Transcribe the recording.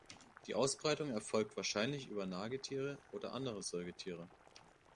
Die Ausbreitung erfolgt wahrscheinlich über Nagetiere oder andere Säugetiere.